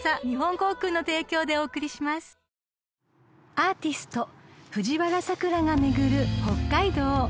［アーティスト藤原さくらが巡る北海道］